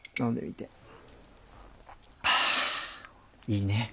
いいね。